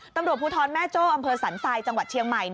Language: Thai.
ตำรวจภูทรแม่โจ้อำเภอสันทรายจังหวัดเชียงใหม่